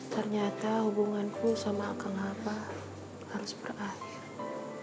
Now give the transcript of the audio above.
ternyata hubunganku sama kang abah harus berakhir